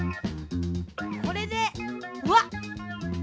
これでうわっ！